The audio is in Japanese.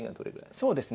そうですね